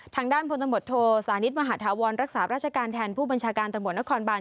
ทางด้านพทศมหาธวรรษรักษาราชการแทนผู้บัญชาการตนครบาล